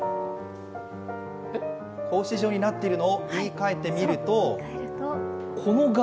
格子状になっているのを言い換えてみると、この柄。